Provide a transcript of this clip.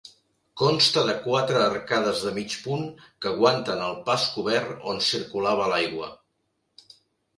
Consta de quatre arcades de mig punt que aguanten el pas cobert on circulava l'aigua.